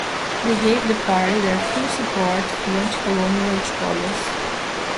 They gave the party their full support through anticolonial editorials.